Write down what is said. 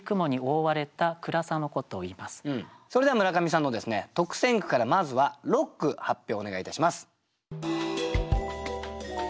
それでは村上さんの特選句からまずは６句発表お願いいたします。